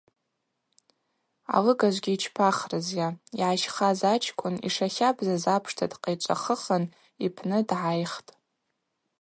Алыгажвгьи йчпахрызйа – йгӏащхаз ачкӏвын йшахабзаз апшта дкъайчӏвахыхын йпны дгӏайхтӏ.